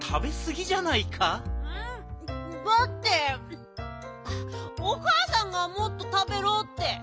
だっておかあさんがもっとたべろって。